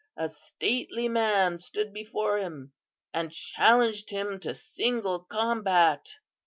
a stately man stood before him and challenged him to single combat.